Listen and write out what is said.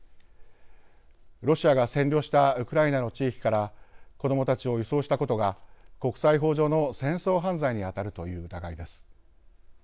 ロシアが占領したウクライナの地域から子どもたちを移送したことが国際法上の戦争犯罪にあたるという疑いです。